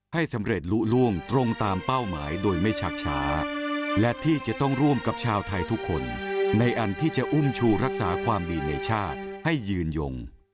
ให้สำเร็จลุล่วงตรงตามเป้าหมายโดยไม่ชักช้าและที่จะต้องร่วมกับชาวไทยทุกคนในอันที่จะอุ้มชูรักษาความดีในชาติให้ยืนยง